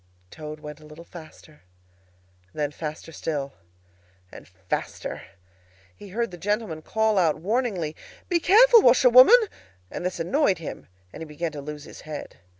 Toad went a little faster; then faster still, and faster. He heard the gentlemen call out warningly, "Be careful, washerwoman!" And this annoyed him, and he began to lose his head.